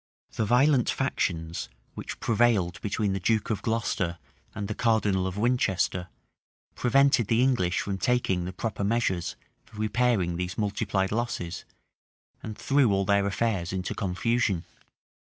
The violent factions which prevailed between the duke of Glocester and the cardinal of Winchester, prevented the English from taking the proper measures for repairing these multiplied losses, and threw all their affairs into confusion.